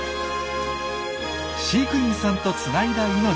飼育員さんとつないだ命。